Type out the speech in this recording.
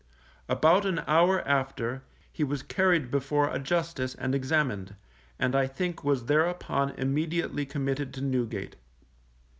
About an hour after, he was carried before a Justice and examined, and I think was thereupon immediately committed to Newgate.